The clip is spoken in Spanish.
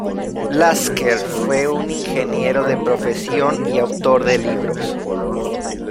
Lasker fue un ingeniero de profesión y autor de libros.